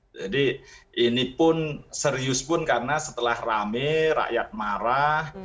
jadi ini pun serius pun karena setelah rame rakyat marah